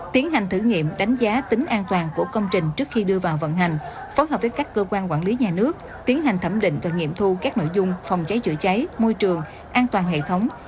tiến hành thử nghiệm đánh giá tính an toàn của công trình trước khi đưa vào vận hành phối hợp với các cơ quan quản lý nhà nước tiến hành thẩm định và nghiệm thu các nội dung phòng cháy chữa cháy môi trường an toàn hệ thống